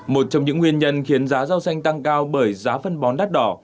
một trong những nguyên nhân khiến giá rau xanh tăng cao bởi giá phân bón đắt đỏ